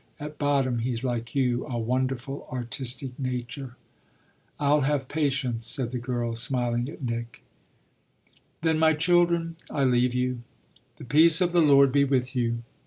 At bottom he's like you a wonderful artistic nature." "I'll have patience," said the girl, smiling at Nick. "Then, my children, I leave you the peace of the Lord be with you."